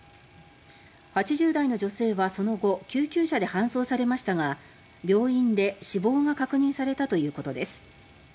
８０代の女性はその後救急車で搬送されましたが病院で死亡が確認されたということです。